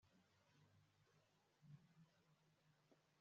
gusa kuko bwari bwije babanza kugira ubwoba bwo gusohoka